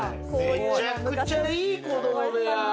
めちゃくちゃいい子供部屋！